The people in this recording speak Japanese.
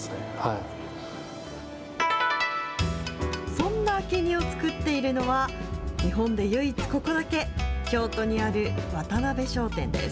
そんな明け荷を作っているのは、日本で唯一ここだけ、京都にある渡邉商店です。